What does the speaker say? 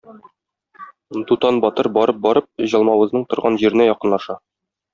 Дутан батыр барып-барып, Җалмавызның торган җиренә якынлаша.